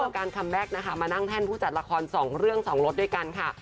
การคัมแบ็คนะคะมานั่งแท่นผู้จัดละคร๒เรื่อง๒รถด้วยกันค่ะ